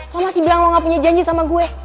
lo masih bilang lo nggak punya janji sama gue